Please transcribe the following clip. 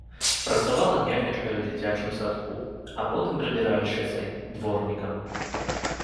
Працавала нянечкай у дзіцячым садку, а потым прыбіральшчыцай, дворнікам.